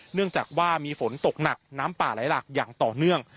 เนื่องจากว่ามีฝนตกหนักน้ำป่าไหลหลักอย่างต่อเนื่อง